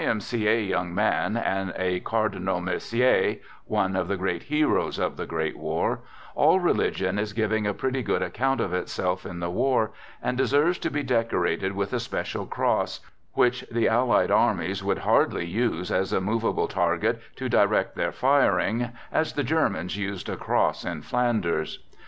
M. C. A. young man, and a Cardinal Mercier — one of the great heroes of the great war — all religion is giving THE GOOD SOLDIER" 57 a pretty good account of itself in the war, and de serves to be decorated with a special cross — which the Allied armies would hardly use as a movable target to direct their firing, as the Germans used a cross in Flanders.